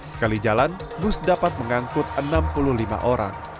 sekali jalan bus dapat mengangkut enam puluh lima orang